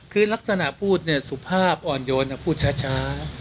คือลักษณะพูดเนี่ยสุภาพอ่อนโยนพูดช้า